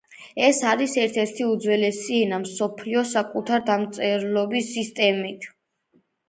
ეს არის ერთ-ერთი უძველესი ენა მსოფლიოში საკუთარი დამწერლობის სისტემით.